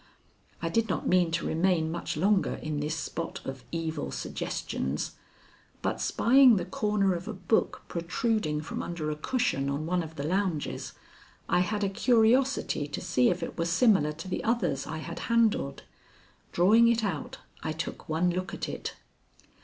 I did not mean to remain much longer in this spot of evil suggestions, but spying the corner of a book protruding from under a cushion of one of the lounges, I had a curiosity to see if it were similar to the others I had handled. Drawing it out, I took one look at it.